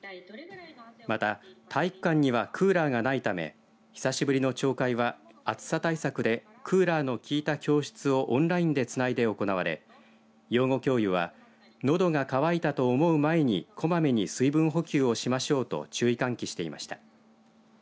また、体育館にはクーラーがないため久しぶりの朝会は暑さ対策でクーラーの効いた教室をオンラインで、つないで行われ養護教諭はのどが渇いたと思う前にこまめに水分補給をしましょうと注意喚起していました。